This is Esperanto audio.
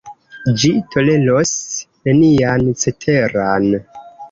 Ĝi toleros nenian ceteran.